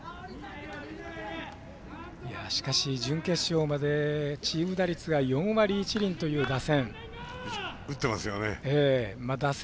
準決勝までチーム打率が４割１厘という打線。